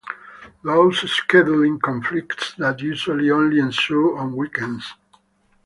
Those scheduling conflicts that usually only ensue on weekends.